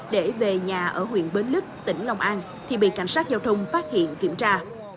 để về nhà ở huyện bến lức tỉnh long an thì bị cảnh sát giao thông phát hiện kiểm tra